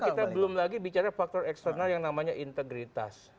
kita belum lagi bicara faktor eksternal yang namanya integritas